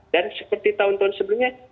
dan seperti tahun tahun sebelumnya